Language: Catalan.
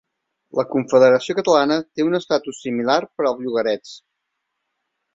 La Confederació Catalana té un estatus similar per als llogarets.